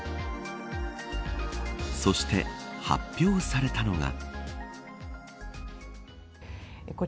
そして発表されたのが。